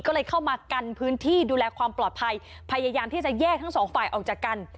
ก็เลยเข้ามากันพื้นที่ดูแลความปลอดภัยพยายามที่จะแยกทั้งสองฝ่ายออกจากกัน